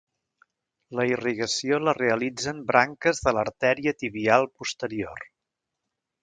La irrigació la realitzen branques de l'artèria tibial posterior.